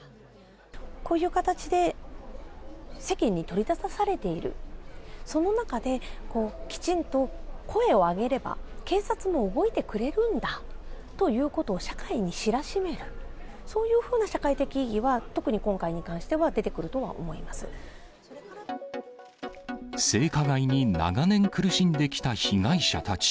こういう形で世間に取り沙汰されている、その中できちんと声を上げれば、警察も動いてくれるんだということを社会に知らしめる、そういうふうな社会的意義は特に今回に関しては、性加害に長年、苦しんできた被害者たち。